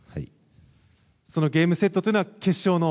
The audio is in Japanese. そのゲームセットというのは決勝の？